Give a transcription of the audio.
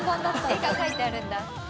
絵が描いてあるんだ。